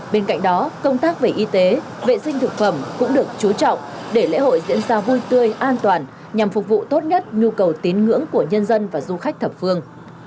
bên cạnh đó công tác về y tế vệ sinh thực phẩm cũng được chú trọng để lễ hội diễn ra vui tươi an toàn nhằm phục vụ tốt nhất nhu cầu tín ngưỡng của nhân dân và du khách thập phương